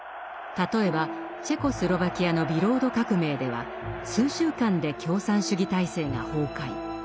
例えばチェコスロバキアのビロード革命では数週間で共産主義体制が崩壊。